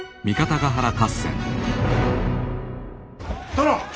殿！